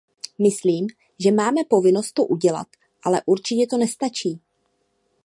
Myslím, že máme povinnost to udělat, ale určitě to nestačí.